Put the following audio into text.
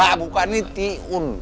wah bukan nih tiun